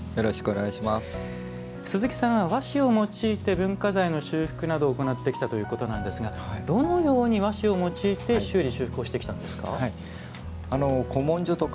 鈴木さん、和紙を用いて文化財の修復などを行ってきたということなんですがどのように和紙を用いて修理・修復をしてきたんでしょうか。